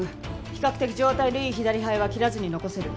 比較的状態のいい左肺は切らずに残せる。